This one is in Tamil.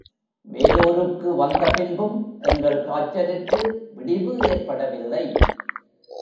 வேலூருக்கு வந்த பின்னும் எங்கள் காய்ச்சலுக்கு விடிவு ஏற்படவில்லை.